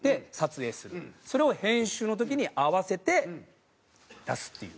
それを編集の時に合わせて出すっていう。